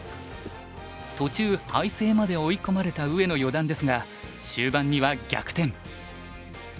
途中敗勢まで追い込まれた上野四段ですが終盤には逆転。